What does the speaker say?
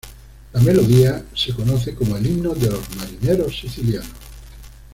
La melodía se conoce como el "Himno de los marineros sicilianos".